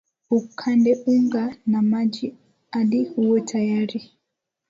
ukande unga na maji hadi uwe tayari